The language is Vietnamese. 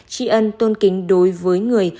tri ân tôn kính đối với người